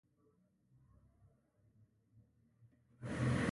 طیاره د انسان لپاره د پرمختګ یوه وسیله ده.